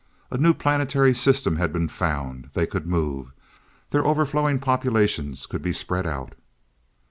A new planetary system had been found They could move! Their overflowing populations could be spread out!